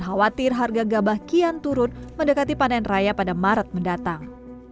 khawatir harga gabah kian turun mendekati panen raya pada maret mendatang